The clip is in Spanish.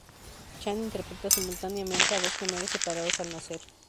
Chan interpreta simultáneamente a dos gemelos separados al nacer.